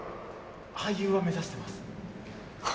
俳優を目指してます。